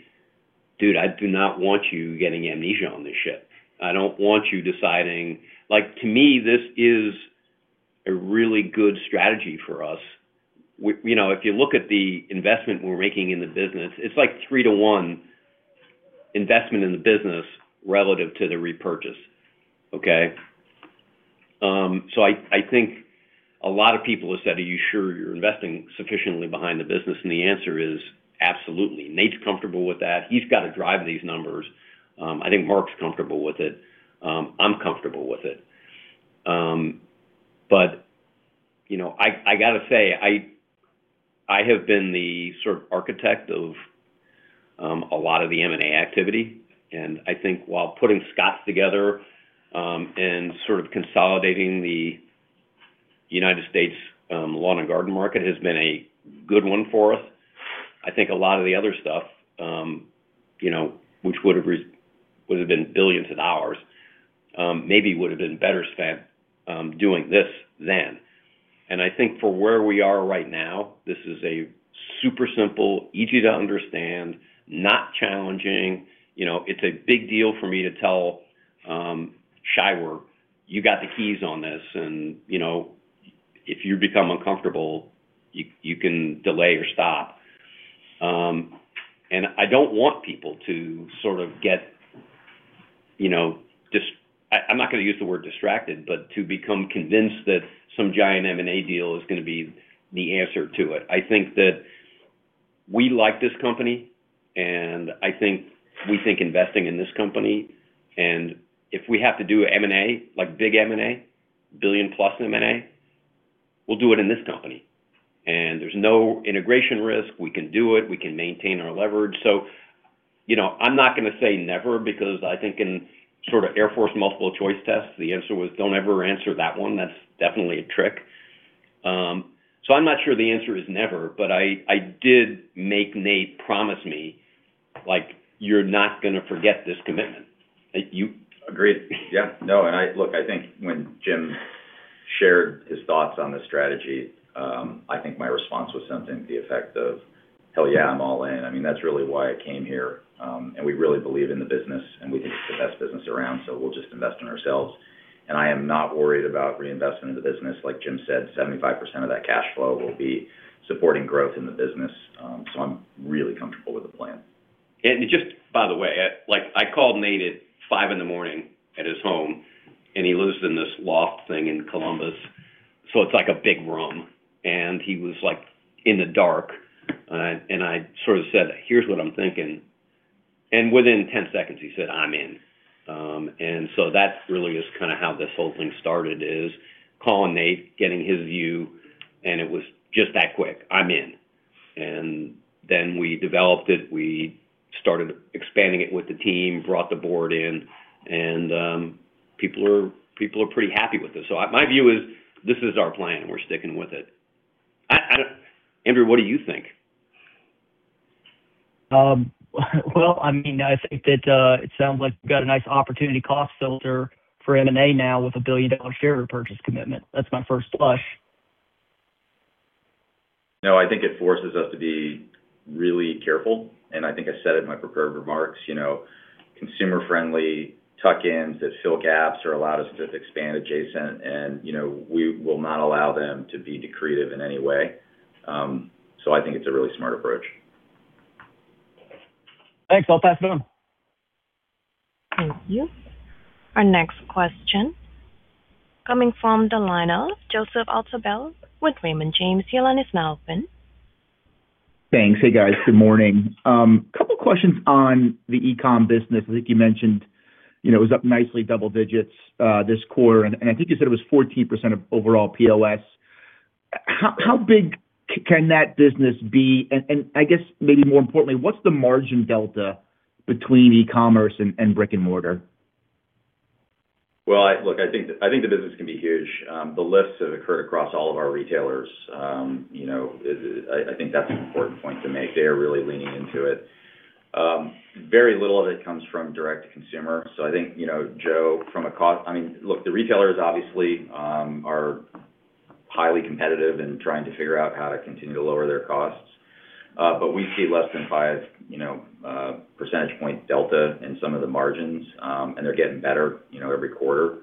"Dude, I do not want you getting amnesia on this shit. I don't want you deciding..." Like, to me, this is a really good strategy for us. You know, if you look at the investment we're making in the business, it's like 3-to-1 investment in the business relative to the repurchase, okay? So I think a lot of people have said: Are you sure you're investing sufficiently behind the business? And the answer is absolutely. Nate's comfortable with that. He's got to drive these numbers. I think Mark's comfortable with it. I'm comfortable with it. But, you know, I gotta say, I have been the sort of architect of a lot of the M&A activity, and I think while putting Scotts together, and sort of consolidating the United States lawn and garden market has been a good one for us. I think a lot of the other stuff, you know, which would have been billions of dollars, maybe would have been better spent doing this then. And I think for where we are right now, this is a super simple, easy to understand, not challenging. You know, it's a big deal for me to tell, Shire, "You got the keys on this, and, you know, if you become uncomfortable, you can delay or stop." And I don't want people to sort of get, you know, just—I, I'm not gonna use the word distracted, but to become convinced that some giant M&A deal is gonna be the answer to it. I think that we like this company, and I think we think investing in this company, and if we have to do M&A, like big M&A, billion-plus M&A, we'll do it in this company. And there's no integration risk. We can do it. We can maintain our leverage. So, you know, I'm not gonna say never because I think in sort of Air Force multiple choice tests, the answer was, "Don't ever answer that one." That's definitely a trick. So, I'm not sure the answer is never, but I did make Nate promise me, like, "You're not gonna forget this commitment." You- Agreed. Yeah. No. Look, I think when Jim shared his thoughts on this strategy, I think my response was something to the effect of, "Hell, yeah, I'm all in." I mean, that's really why I came here. And we really believe in the business, and we think it's the best business around, so we'll just invest in ourselves. And I am not worried about reinvesting in the business. Like Jim said, 75% of that cash flow will be supporting growth in the business. So I'm really comfortable with the plan. Just by the way, like, I called Nate at 5:00 A.M. at his home, and he lives in this loft thing in Columbus, so it's like a big room. And he was, like, in the dark, and I sort of said, "Here's what I'm thinking." And within 10 seconds, he said, "I'm in." And so that really is kind of how this whole thing started, is calling Nate, getting his view, and it was just that quick, "I'm in." And then we developed it. We started expanding it with the team, brought the board in, and people are, people are pretty happy with this. So my view is, this is our plan, and we're sticking with it. Andrew, what do you think? Well, I mean, I think that it sounds like we've got a nice opportunity cost filter for M&A now with a billion-dollar share repurchase commitment. That's my first flush. No, I think it forces us to be really careful, and I think I said it in my prepared remarks. You know, consumer-friendly tuck-ins that fill gaps or allow us to expand adjacent and, you know, we will not allow them to be dilutive in any way. So I think it's a really smart approach. Thanks. I'll pass it on. Thank you. Our next question coming from the line of Joseph Altobello with Raymond James. Your line is now open. Thanks. Hey, guys. Good morning. Couple questions on the e-com business. I think you mentioned, you know, it was up nicely double digits this quarter, and I think you said it was 14% of overall PLS. How big can that business be? And I guess, maybe more importantly, what's the margin delta between e-commerce and brick-and-mortar? Well, look, I think, I think the business can be huge. The lifts have occurred across all of our retailers. You know, it, I think that's an important point to make. They are really leaning into it. Very little of it comes from direct to consumer. So I think, you know, Joe, from a cost - I mean, look, the retailers obviously are highly competitive in trying to figure out how to continue to lower their costs. But we see less than five, you know, percentage point delta in some of the margins, and they're getting better, you know, every quarter.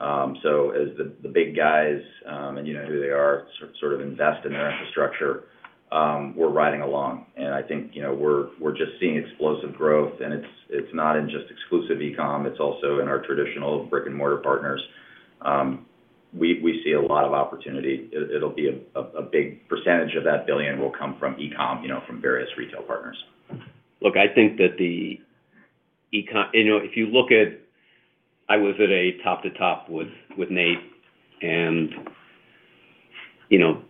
So as the big guys, and you know who they are, sort of invest in their infrastructure, we're riding along. And I think, you know, we're just seeing explosive growth, and it's not in just exclusive e-com, it's also in our traditional brick-and-mortar partners. We see a lot of opportunity. It'll be a big percentage of that $1 billion will come from e-com, you know, from various retail partners. Look, I think that the e-com. You know, if you look at—I was at a top-to-top with Nate, and, you know,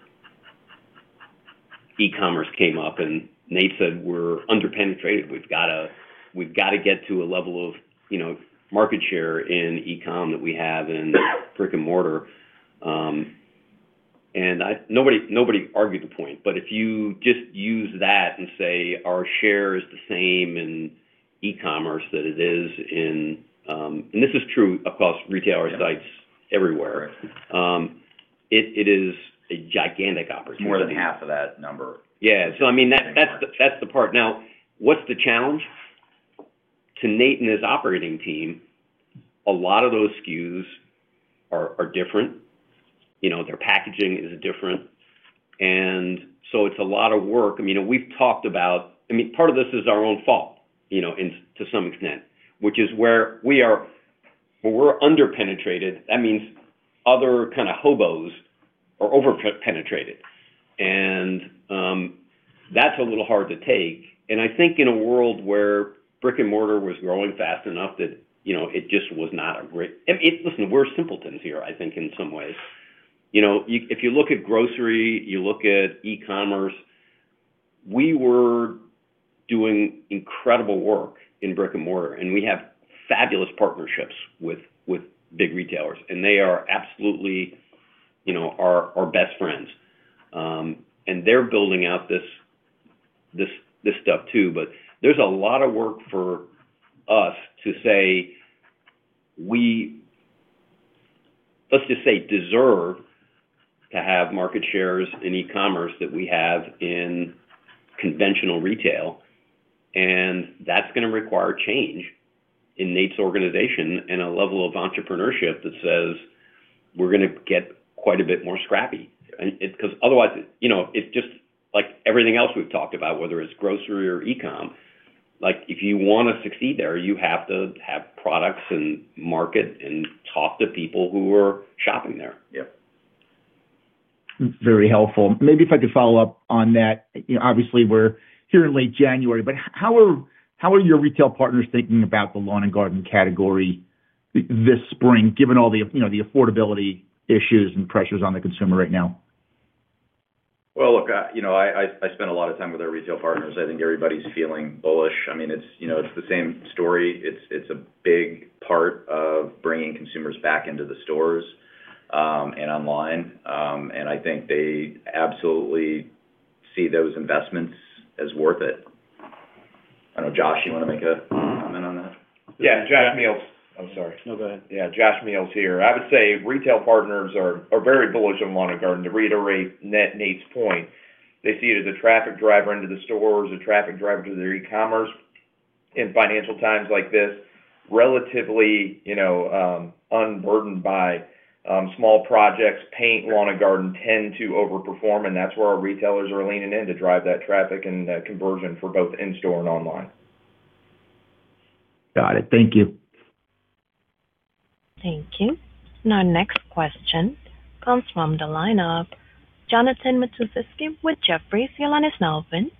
e-commerce came up, and Nate said, "We're underpenetrated. We've got to, we've got to get to a level of, you know, market share in e-com that we have in brick-and-mortar." And nobody argued the point. But if you just use that and say, our share is the same in e-commerce that it is in. And this is true across retailer- Yep -sites everywhere. Right. It is a gigantic opportunity. More than half of that number. Yeah. So I mean, that's the, that's the part. Now, what's the challenge? To Nate and his operating team, a lot of those SKUs are different. You know, their packaging is different, and so it's a lot of work. I mean, we've talked about-- I mean, part of this is our own fault, you know, in-- to some extent, which is where we're underpenetrated, that means other kind of hobos are overpenetrated. And, that's a little hard to take. And I think in a world where brick-and-mortar was growing fast enough that, you know, it just was not a great... listen, we're simpletons here, I think, in some ways. You know, if you look at grocery, you look at e-commerce,... We were doing incredible work in brick-and-mortar, and we have fabulous partnerships with, with big retailers, and they are absolutely, you know, our, our best friends. And they're building out this, this, this stuff, too. But there's a lot of work for us to say, we-- let's just say, deserve to have market shares in e-commerce that we have in conventional retail, and that's gonna require change in Nate's organization and a level of entrepreneurship that says, we're gonna get quite a bit more scrappy. And it-- 'cause otherwise, you know, it's just like everything else we've talked about, whether it's grocery or e-com. Like, if you wanna succeed there, you have to have products and market and talk to people who are shopping there. Yep. Very helpful. Maybe if I could follow up on that. You know, obviously, we're here in late January, but how are, how are your retail partners thinking about the lawn and garden category this spring, given all the, you know, the affordability issues and pressures on the consumer right now? Well, look, you know, I spend a lot of time with our retail partners. I think everybody's feeling bullish. I mean, it's, you know, it's the same story. It's a big part of bringing consumers back into the stores and online. And I think they absolutely see those investments as worth it. I know, Josh, you wanna make a comment on that? Yeah, Josh Meihls. I'm sorry. No, go ahead. Yeah, Josh Meihls here. I would say retail partners are very bullish on lawn and garden, to reiterate Nate's point. They see it as a traffic driver into the stores, a traffic driver to their e-commerce. In financial times like this, relatively, you know, unburdened by small projects, paint, lawn and garden tend to overperform, and that's where our retailers are leaning in to drive that traffic and that conversion for both in-store and online. Got it. Thank you. Thank you. Now, next question comes from the lineup, Jonathan Matuszewski with Jefferies. Your line is now open.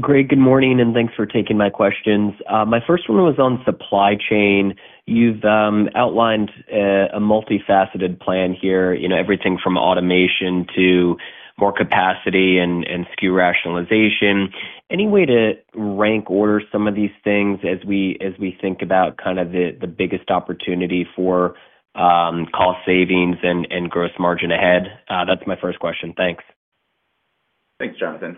Great, good morning, and thanks for taking my questions. My first one was on supply chain. You've outlined a multifaceted plan here, you know, everything from automation to more capacity and SKU rationalization. Any way to rank order some of these things as we think about kind of the biggest opportunity for cost savings and gross margin ahead? That's my first question. Thanks. Thanks, Jonathan.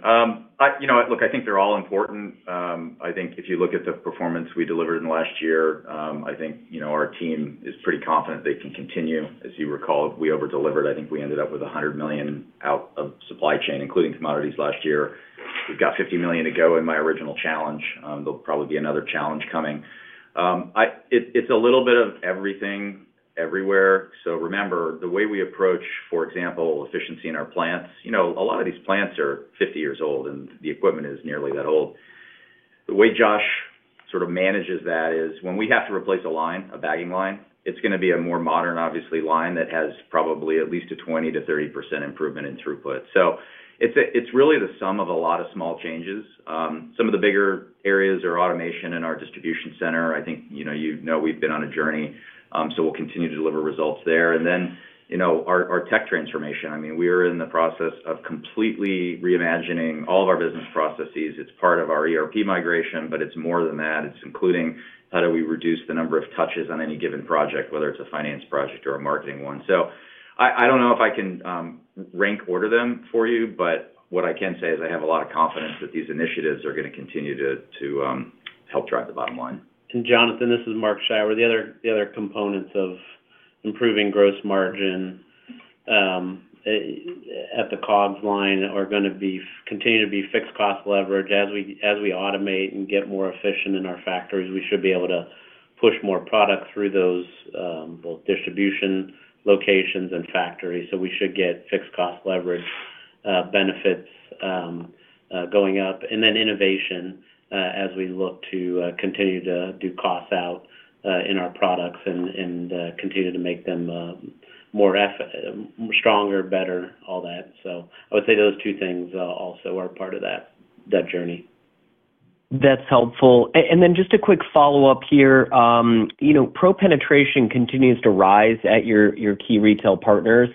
You know, look, I think they're all important. I think if you look at the performance we delivered in the last year, I think, you know, our team is pretty confident they can continue. As you recall, we over-delivered. I think we ended up with $100 million out of supply chain, including commodities last year. We've got $50 million to go in my original challenge. There'll probably be another challenge coming. It's a little bit of everything, everywhere. So remember, the way we approach, for example, efficiency in our plants, you know, a lot of these plants are 50 years old, and the equipment is nearly that old. The way Josh sort of manages that is, when we have to replace a line, a bagging line, it's gonna be a more modern, obviously, line that has probably at least a 20%-30% improvement in throughput. So it's really the sum of a lot of small changes. Some of the bigger areas are automation in our distribution center. I think, you know, you know, we've been on a journey, so we'll continue to deliver results there. And then, you know, our, our tech transformation, I mean, we are in the process of completely reimagining all of our business processes. It's part of our ERP migration, but it's more than that. It's including, how do we reduce the number of touches on any given project, whether it's a finance project or a marketing one? So I don't know if I can rank order them for you, but what I can say is I have a lot of confidence that these initiatives are gonna continue to help drive the bottom line. And Jonathan, this is Mark Scheiwer. The other components of improving gross margin at the COGS line are gonna be continue to be fixed cost leverage. As we automate and get more efficient in our factories, we should be able to push more product through those both distribution locations and factories. So we should get fixed cost leverage benefits going up, and then innovation as we look to continue to do costs out in our products and continue to make them more stronger, better, all that. So I would say those two things also are part of that journey. That's helpful. And then just a quick follow-up here. You know, pro penetration continues to rise at your, your key retail partners.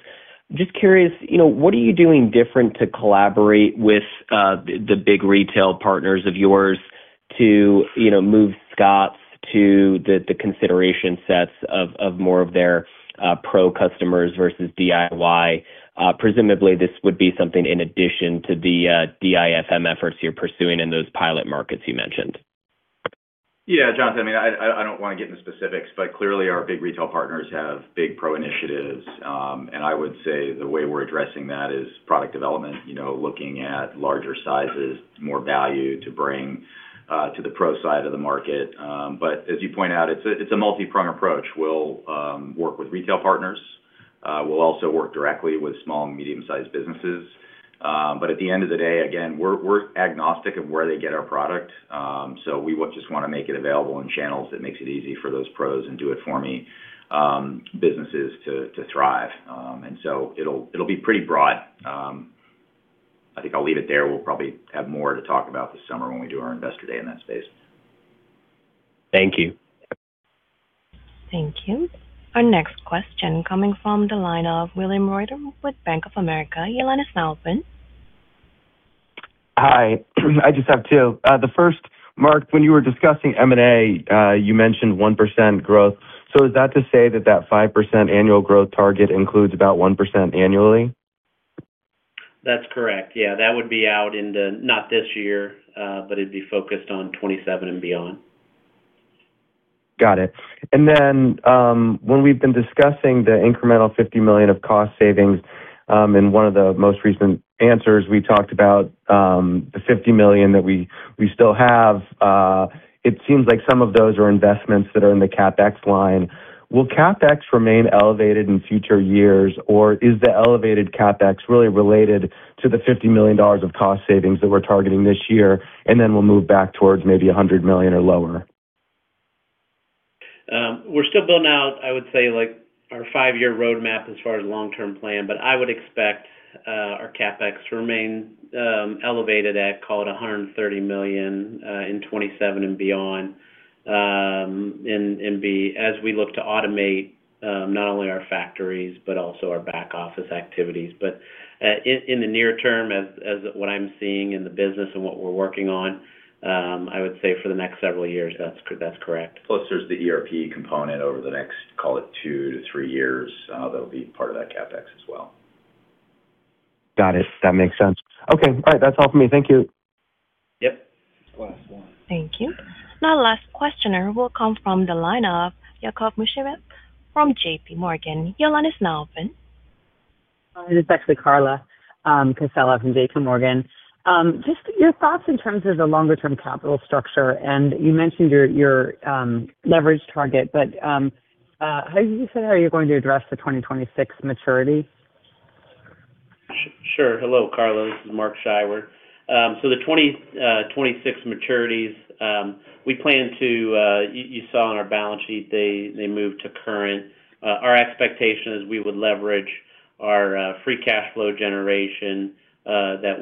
Just curious, you know, what are you doing different to collaborate with, the, the big retail partners of yours to, you know, move Scotts to the, the consideration sets of, of more of their, pro customers versus DIY? Presumably, this would be something in addition to the, DIFM efforts you're pursuing in those pilot markets you mentioned. Yeah, Jonathan, I mean, I don't wanna get into specifics, but clearly our big retail partners have big pro initiatives. And I would say the way we're addressing that is product development, you know, looking at larger sizes, more value to bring to the pro side of the market. But as you point out, it's a multipronged approach. We'll work with retail partners, we'll also work directly with small and medium-sized businesses. But at the end of the day, again, we're agnostic of where they get our product, so we want just wanna make it available in channels that makes it easy for those Pros and Do-It-For-Me businesses to thrive. And so it'll be pretty broad. I think I'll leave it there. We'll probably have more to talk about this summer when we do our Investor Day in that space. Thank you. Thank you. Our next question coming from the line of William Reuter with Bank of America. Your line is now open. Hi. I just have two. The first, Mark, when you were discussing M&A, you mentioned 1% growth. So is that to say that, that 5% annual growth target includes about 1% annually? That's correct. Yeah, that would be out in the... Not this year, but it'd be focused on 27 and beyond. Got it. And then, when we've been discussing the incremental $50 million of cost savings, in one of the most recent answers, we talked about the $50 million that we still have. It seems like some of those are investments that are in the CapEx line. Will CapEx remain elevated in future years, or is the elevated CapEx really related to the $50 million of cost savings that we're targeting this year, and then we'll move back towards maybe $100 million or lower? We're still building out, I would say, like, our five-year roadmap as far as long-term plan, but I would expect our CapEx to remain elevated at, call it, $130 million in 2027 and beyond. And as we look to automate not only our factories, but also our back office activities. But in the near term, as what I'm seeing in the business and what we're working on, I would say for the next several years, that's correct. Plus, there's the ERP component over the next, call it 2-3 years, that'll be part of that CapEx as well. Got it. That makes sense. Okay, all right. That's all for me. Thank you. Yep. Thank you. Now, last questioner will come from the line of Carla Casella from JPMorgan. Your line is now open. Hi, this is actually Carla Casella from JPMorgan. Just your thoughts in terms of the longer term capital structure, and you mentioned your leverage target, but how did you say how you're going to address the 2026 maturity? Sure. Hello, Carla. This is Mark Scheiwer. So the 2026 maturities, we plan to, you saw on our balance sheet, they moved to current. Our expectation is we would leverage our free cash flow generation, that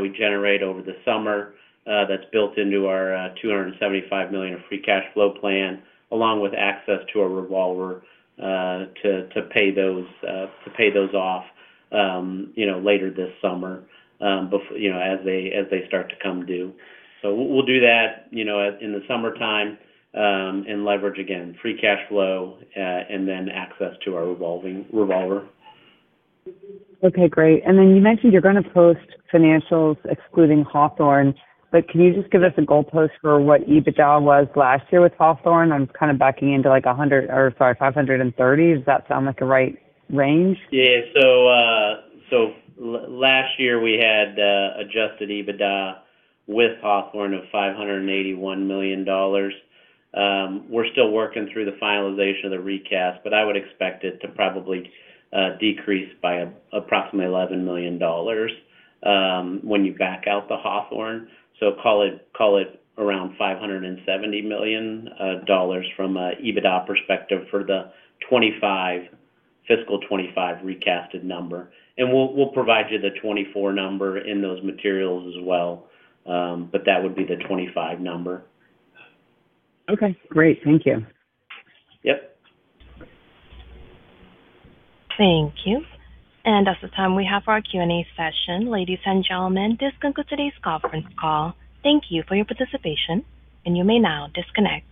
we generate over the summer, that's built into our $275 million free cash flow plan, along with access to a revolver, to pay those off, you know, later this summer, you know, as they start to come due. So we'll do that, you know, in the summertime, and leverage, again, free cash flow, and then access to our revolving revolver. Okay, great. Then you mentioned you're gonna post financials excluding Hawthorne, but can you just give us a goalpost for what EBITDA was last year with Hawthorne? I'm kind of backing into, like, 100... or sorry, 530. Does that sound like the right range? Yeah. So, last year, we had adjusted EBITDA with Hawthorne of $581 million. We're still working through the finalization of the recast, but I would expect it to probably decrease by approximately $11 million when you back out the Hawthorne. So call it, call it around $570 million from a EBITDA perspective for the 2025, fiscal 2025 recast number. And we'll, we'll provide you the 2024 number in those materials as well, but that would be the 2025 number. Okay, great. Thank you. Yep. Thank you. Tat's the time we have for our Q&A session. Ladies and gentlemen, this concludes today's conference call. Thank you for your participation, and you may now disconnect.